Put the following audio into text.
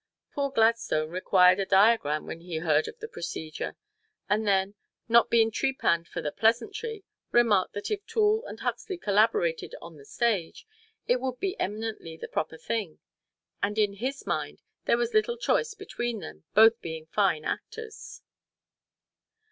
Poor Gladstone required a diagram when he heard of the procedure; and then, not being trepanned for the pleasantry, remarked that if Toole and Huxley collaborated on the stage, it would be eminently the proper thing, and in his mind there was little choice between them, both being fine actors.